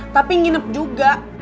tapi nginep juga